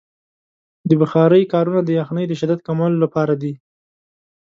د بخارۍ کارونه د یخنۍ د شدت کمولو لپاره دی.